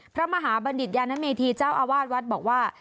พระมหาบัณฑิตยานเมธีเจ้าอาวาสวัดบอกว่า